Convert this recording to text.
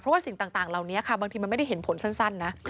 เพราะว่าสิ่งต่างเหล่านี้ค่ะบางทีมันไม่ได้เห็นผลสั้นนะ